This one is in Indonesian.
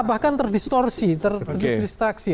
bahkan terdistorsi terdistraksi